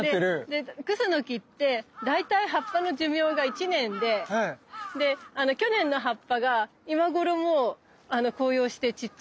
でクスノキって大体葉っぱの寿命が１年で去年の葉っぱが今頃もう紅葉して散っちゃうわけ。